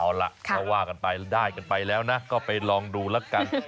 เอาล่ะก็ว่ากันไปได้กันไปแล้วนะก็ไปลองดูแล้วกัน